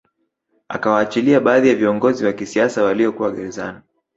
Akawaachilia baadhi ya viongozi wa kisiasa walio kuwa gerezani